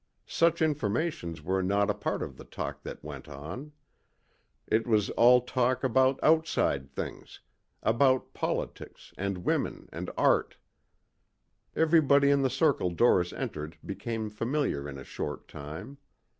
Such informations were not a part of the talk that went on. It was all talk about outside things, about politics and women and art. Everybody in the circle Doris entered became familiar in a short time.